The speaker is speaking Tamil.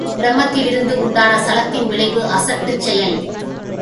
ப்ரமத்திலிருந்து உண்டான சளத்தின் விளைவு அசட்டுச் செயல்.